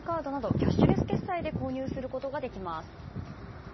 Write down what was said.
キャッシュレス決済で購入することができます。